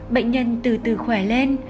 bệnh nhân từ từ khỏe lên